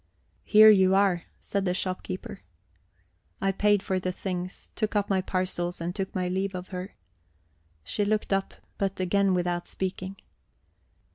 "Here you are," said the storekeeper. I paid for the things, took up my parcels, and took my leave of her. She looked up, but again without speaking.